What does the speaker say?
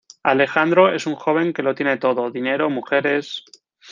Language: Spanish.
Alejandro es un joven que lo tiene todo: dinero, mujeres...